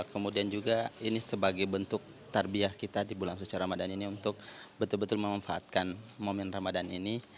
kemudian juga ini sebagai bentuk tarbiah kita di bulan suci ramadan ini untuk betul betul memanfaatkan momen ramadan ini